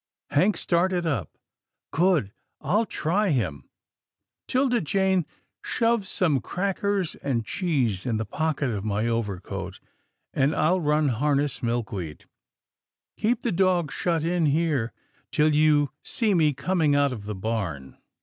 Hank started up. "Good! I'll try him. Tilda PURSUIT OF THE GOOSE 177 Jane, shove some crackers and cheese in the pocket of my overcoat, and I'll run harness Milkweed. Keep the dog shut in here, till you see me coming out of the barn.'